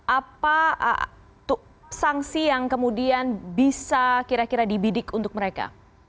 apa sanksi yang kemudian bisa kira kira dibidik untuk mereka